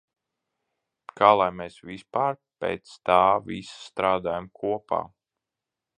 Kā lai mēs vispār pēc tā visa strādājam kopā?